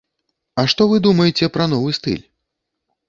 А што вы думаеце пра новы стыль?